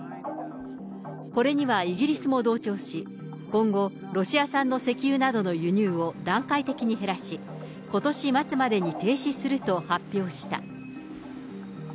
これにはイギリスも同調し、今後、ロシア産の石油などの輸入を段階的に減らし、ことし末までに停止すると発表した。